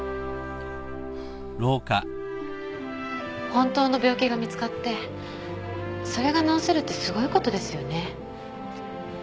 本当の病気が見つかってそれが治せるってすごいことですよね。